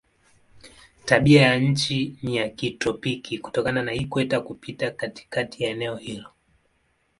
Tabianchi ni ya kitropiki kutokana na ikweta kupita katikati ya eneo hilo.